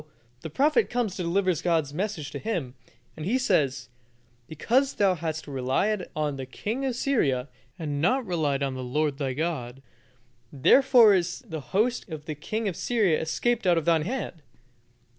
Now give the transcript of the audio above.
the prophet comes to deliver God's message to him, and he says: "Because thou hast relied on the king of Syria, and not relied on the Lord thy God, therefore is the host of the king of Syria escaped out of thine hand.